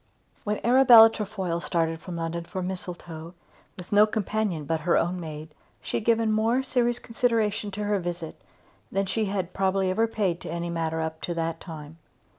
When Arabella Trefoil started from London for Mistletoe, with no companion but her own maid, she had given more serious consideration to her visit than she had probably ever paid to any matter up to that time.